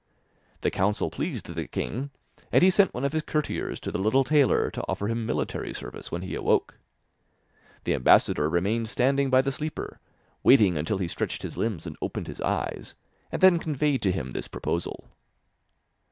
The counsel pleased the king, and he sent one of his courtiers to the little tailor to offer him military service when he awoke. The ambassador remained standing by the sleeper, waited until he stretched his limbs and opened his eyes, and then conveyed to him this proposal.